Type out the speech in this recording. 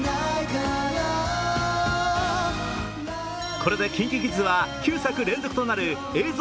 これでＫｉｎＫｉＫｉｄｓは９作連続となる映像